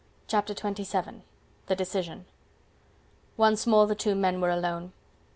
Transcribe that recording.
Chapter XXVII: The Decision Once more the two men were alone.